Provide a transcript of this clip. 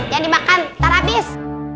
yang dimakan tak habis